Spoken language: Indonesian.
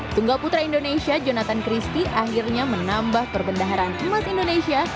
tunggaputra indonesia jonathan christie akhirnya menambah perbendaharan emas indonesia